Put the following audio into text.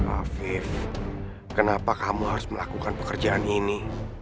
afif kenapa kamu harus melakukan pekerjaan ini